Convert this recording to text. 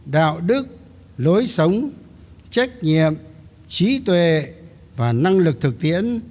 đạo đức lối sống trách nhiệm trí tuệ và năng lực thực tiễn